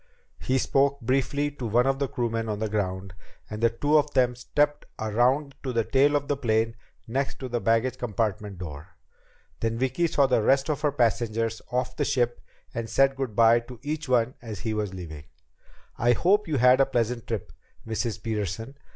He spoke briefly to one of the crewmen on the ground, and the two of them stepped around to the tail of the plane, next to the baggage compartment door. Then Vicki saw the rest of her passengers off the ship and said good by to each one as he was leaving. "I hope you had a pleasant trip, Mrs. Peterson.